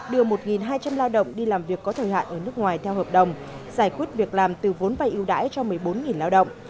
đưa một hai trăm linh lao động đi làm việc có thời hạn ở nước ngoài theo hợp đồng giải quyết việc làm từ vốn vay ưu đãi cho một mươi bốn lao động